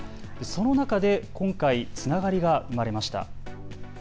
その中で今回、つながりが生まれました。